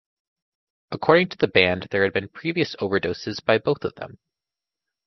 According to the band, there had been previous overdoses by both of them.